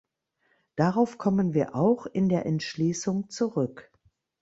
Darauf kommen wir auch in der Entschließung zurück.